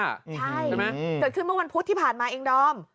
ใช่ไหมเกิดขึ้นเมื่อวันพุธที่ผ่านมาเองดอม